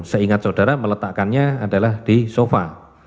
seingat saudara meletakkannya adalah di sofa